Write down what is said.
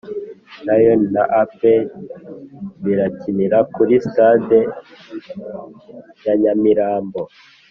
Royon na Apr birakinira kuri stade ya nyamirambo